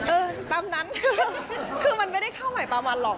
เออตามนั้นคือมันไม่ได้เข้าใหม่ปลามันหรอก